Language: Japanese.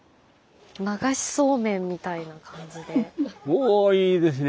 おいいですね。